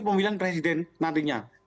pemilihan presiden nantinya